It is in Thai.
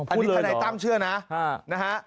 อันนี้ทนายตั้มเชื่อนะนะฮะ